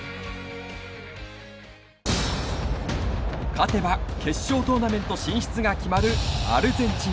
勝てば決勝トーナメント進出が決まるアルゼンチン戦。